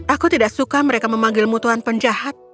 aku tidak suka mereka memanggilmu tuhan penjahat